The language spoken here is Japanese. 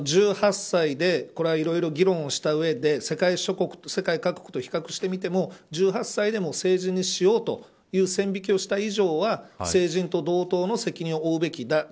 １８歳で、これはいろいろ議論をしたうえで世界各国と比較してみても１８歳で成人にしようという線引きをした以上は成人と同等の責任を負うべきだ。